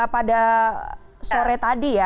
pada sore tadi ya